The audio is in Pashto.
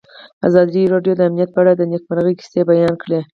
ازادي راډیو د امنیت په اړه د نېکمرغۍ کیسې بیان کړې.